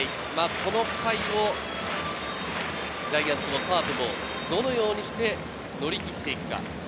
７回、８回、この回をジャイアンツもカープもどのようにして乗り切っていくか。